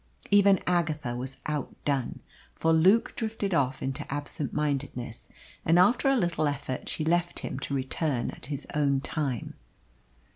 Even Agatha was outdone, for Luke drifted off into absent mindedness, and after a little effort she left him to return at his own time.